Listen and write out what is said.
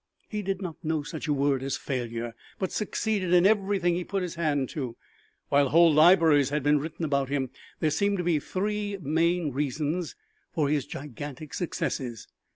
He did not know such a word as failure but succeeded in everything he put his hand to. While whole libraries have been written about him there seem to be three main reasons for his gigantic successes.